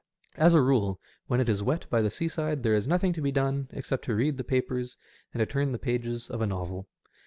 As a rule, when it is wet by the seaside there is nothing to be done except to read the papers or turn the pages of a novel.